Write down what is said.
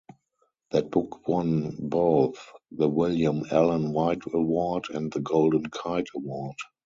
That book won both the William Allen White Award and the Golden Kite Award.